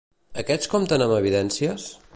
Aquests compten amb evidències?